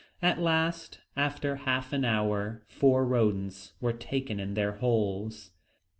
At last, after half an hour, four rodents were taken in their holes.